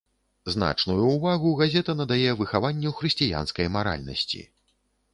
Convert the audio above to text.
Значную ўвагу газета надае выхаванню хрысціянскай маральнасці.